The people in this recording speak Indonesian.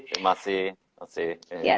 terima kasih dokter